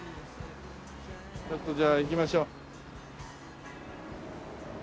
ちょっとじゃあ行きましょう。